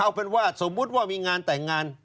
เอาเป็นว่าสมมุติว่ามีงานแต่งงาน